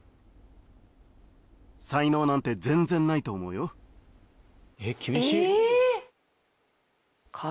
才能なんて全然ないと思うよえっ厳しいえっ！？